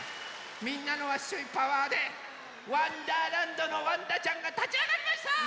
みんなのワッショイパワーで「わんだーらんど」のわんだちゃんがたちあがりました！